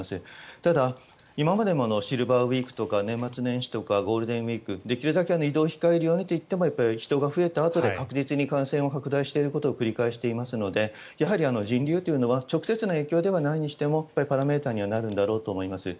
ただ、今までもシルバーウィークとか年末年始とかゴールデンウィークできるだけ移動を控えるようにと言ってもやっぱり人が増えたあとで確実に感染が拡大することを繰り返していますのでやはり人流というのは直接の影響ではないにしてもやっぱりパラメータにはなるんだろうと思います。